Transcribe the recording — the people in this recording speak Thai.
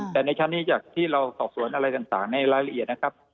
แต่ในชั้นนี้จากที่เราสอบสวนอะไรต่างในรายละเอียดนะครับ